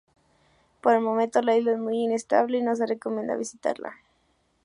Por el momento, la isla es muy inestable y no se recomienda visitarla.